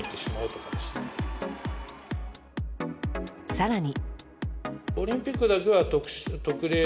更に。